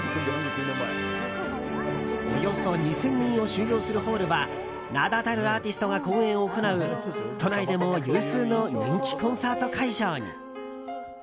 およそ２０００人を収容するホールは名だたるアーティストが公演を行う都内でも有数の人気コンサート会場に。